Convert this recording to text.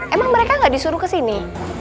emang mereka nggak disuruh ke sini